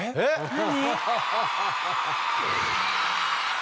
何？